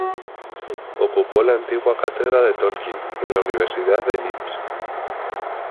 Ocupó la antigua cátedra de Tolkien en la Universidad de Leeds.